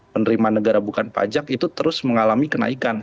penerimaan negara bukan pajak itu terus mengalami kenaikan